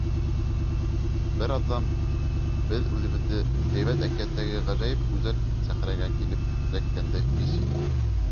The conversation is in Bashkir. Бер аҙҙан беҙ үҙебеҙҙе һәйбәт әкиәттәге ғәжәйеп гүзәл сәхрәгә килеп эләккәндәй хис иттек.